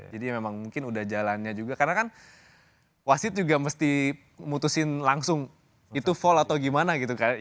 jadi memang mungkin udah jalannya juga karena kan wasid juga mesti mutusin langsung itu fall atau gimana gitu